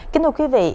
kính thưa quý vị